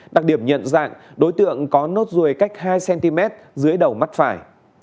đặc điểm nhận dạng đối tượng có nốt ruồi cách hai cm dưới đầu mắt phải